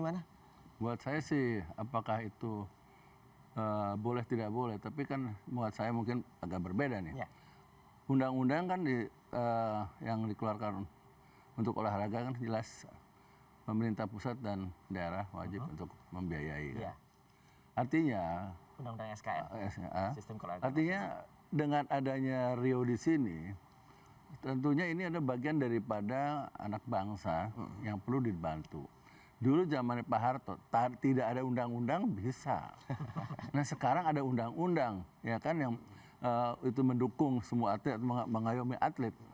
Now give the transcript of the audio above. nah sekarang ada undang undang ya kan yang mendukung semua atlet mengayomi atlet